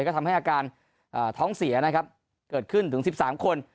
ก็ทำให้อาการท้องเสียนะครับเกิดขึ้นถึง๑๓คน